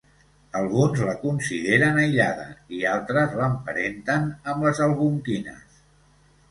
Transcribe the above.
Alguns la consideren aïllada i altres l'emparenten amb les algonquines.